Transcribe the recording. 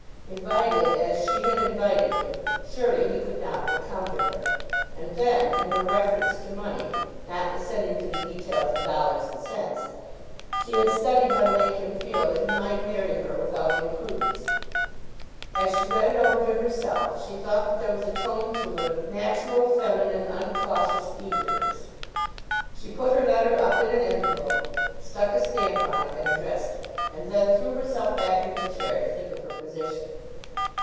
Invited as she had invited him, surely he could not but come to her! And then, in her reference to money, not descending to the details of dollars and cents, she had studied how to make him feel that he might marry her without imprudence. As she read it over to herself she thought that there was a tone through it of natural feminine uncautious eagerness. She put her letter up in an envelope, stuck a stamp on it and addressed it, and then threw herself back in her chair to think of her position.